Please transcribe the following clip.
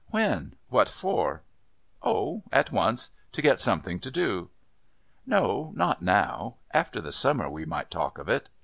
"When? What for?" "Oh, at once to get something to do." "No, not now. After the summer we might talk of it."